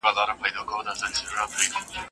که تاسي یو موټی سئ هیڅوک مو نه سي ماتولای.